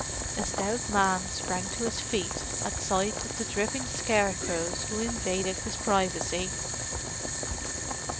A stout man sprang to his feet at sight of the dripping scarecrows who invaded his privacy.